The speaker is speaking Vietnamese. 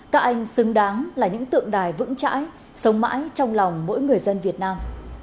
các anh xứng đáng là những tượng đài vững chãi sống mãi trong lòng mỗi người dân việt nam